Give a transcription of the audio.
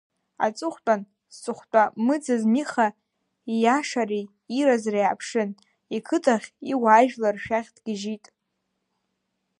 Аҵыхәтәан зҵыхәтәы мыӡыз Миха ииашареи иразреи ааԥшын, иқыҭахь, иуаажәлар шәахь дгьыжьит.